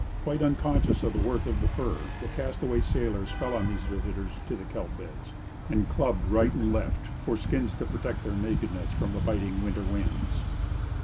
Quite unconscious of the worth of the fur, the castaway sailors fell on these visitors to the kelp beds and clubbed right and left, for skins to protect their nakedness from the biting winter winds.